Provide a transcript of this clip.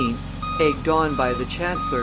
egged on by the chancellor, M.